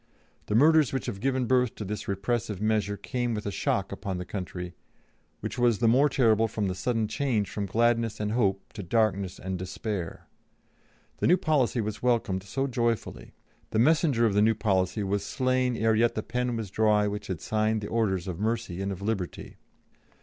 The murders which have given birth to this repressive measure came with a shock upon the country, which was the more terrible from the sudden change from gladness and hope to darkness and despair. The new policy was welcomed so joyfully; the messenger of the new policy was slain ere yet the pen was dry which had signed the orders of mercy and of liberty.